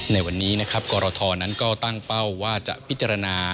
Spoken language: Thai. ในวันนี้นะครับกรทนั้นก็ตั้งเป้าว่าจะพิจารณา